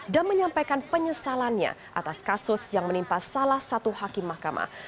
dan menyampaikan penyesalannya atas kasus yang menimpa salah satu hakim mahkamah